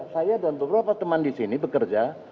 saya dan beberapa teman di sini bekerja